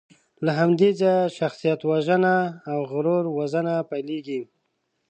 له همدې ځایه شخصیتوژنه او غرور وژنه پیلېږي.